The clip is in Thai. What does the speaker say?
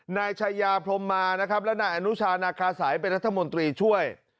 นายชายาพรมมานะครับและนายอนุชานาคาสัยเป็นรัฐมนตรีช่วย